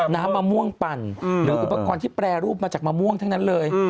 มะม่วงปั่นหรืออุปกรณ์ที่แปรรูปมาจากมะม่วงทั้งนั้นเลย